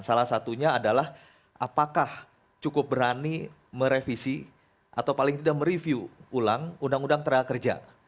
salah satunya adalah apakah cukup berani merevisi atau paling tidak mereview ulang undang undang tenaga kerja